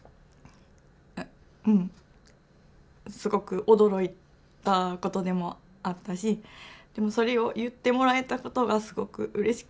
すごく驚いたことでもあったしでもそれを言ってもらえたことがすごくうれしくて。